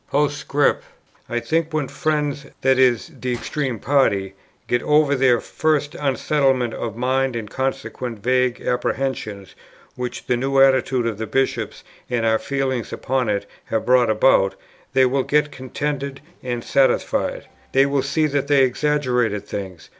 "P.S. I think when friends" [i.e. the extreme party] "get over their first unsettlement of mind and consequent vague apprehensions, which the new attitude of the Bishops, and our feelings upon it, have brought about, they will get contented and satisfied. They will see that they exaggerated things....